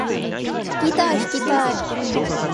ギター弾きたい